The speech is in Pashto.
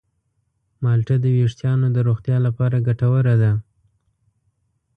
مالټه د ویښتانو د روغتیا لپاره ګټوره ده.